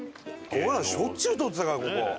しょっちゅう通ってたからここ。